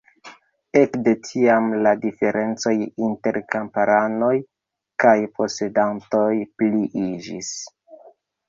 Ekde tiam la diferencoj inter kamparanoj kaj posedantoj pliiĝis.